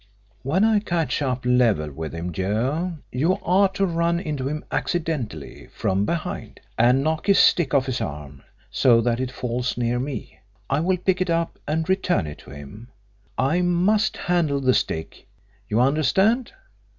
"When I catch up level with him, Joe, you are to run into him accidentally from behind, and knock his stick off his arm, so that it falls near me. I will pick it up and return it to him. I must handle the stick you understand?